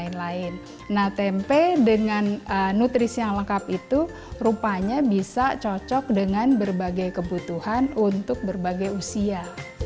nah tempe dengan nutrisi yang lengkap itu rupanya bisa cocok dengan berbagai kebutuhan untuk berbagai usia